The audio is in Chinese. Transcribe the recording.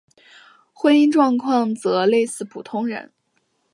婚姻状况则类似普通人。